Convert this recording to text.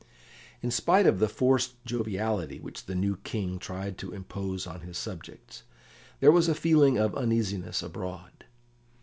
In spite of the forced joviality which the new King tried to impose on his subjects, there was a feeling of uneasiness abroad.